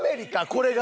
これが。